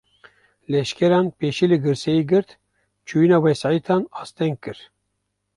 Leşkeran, pêşî li girseyê girt, çûyîna wesaîtan asteng kir